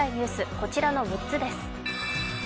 こちらの６つです。